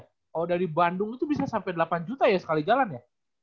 kalau dari bandung itu bisa sampai delapan juta ya sekali jalan ya